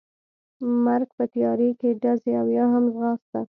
مرګ، په تیارې کې ډزې او یا هم ځغاسته.